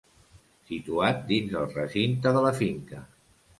Situat dins el recinte de la finca.